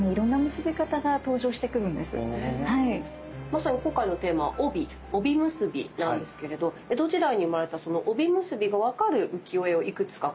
まさに今回のテーマは帯「帯結び」なんですけれど江戸時代に生まれた帯結びが分かる浮世絵をいくつか